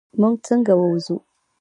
مونږ څنګه ووځو؟